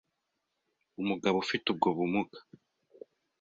umugaboufite ubwo bumuga